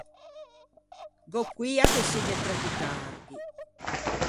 Gh’ò poia che segge tròppo tardi.